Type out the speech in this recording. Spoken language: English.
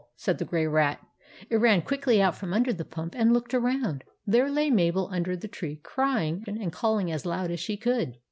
said the Grey Rat. It ran quickly out from under the pump, and looked around. There lay Mabel under the tree, crying and calling as loud as she could.